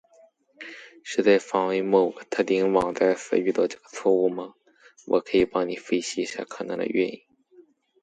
是在访问某个特定网站时遇到这个错误吗？我可以帮你分析一下可能的原因。